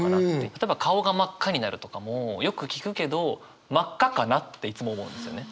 例えば顔が真っ赤になるとかもよく聞くけど「真っ赤かな？」っていつも思うんですよね。